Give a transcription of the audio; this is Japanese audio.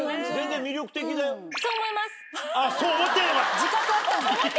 自覚あったんだ。